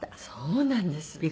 そうなんです。